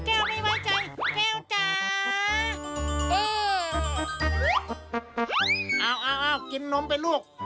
เอ้ากินนมไปลูก